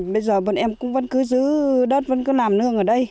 bây giờ bọn em cũng vẫn cứ giữ đất vẫn cứ làm nương ở đây